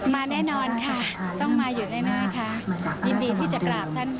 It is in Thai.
มาแน่นอนค่ะต้องมาหยุดแน่ค่ะยินดีที่จะกราบท่าน